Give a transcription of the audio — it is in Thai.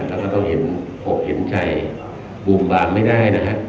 แล้วก็ต้องเห็นอกเห็นใจบูมบามไม่ได้นะฮะ